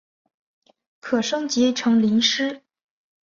可升级成麟师。